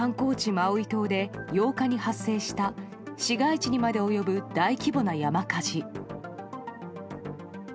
マウイ島で８日に発生した市街地にまで及ぶ大規模な山火事。